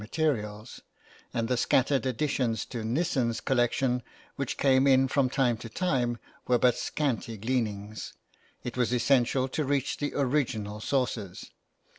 } (xiv) materials, and the scattered additions to Nissen's collection which came in from time to time were but scanty gleanings; it was essential to reach the original sources.